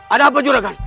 ada apa juragan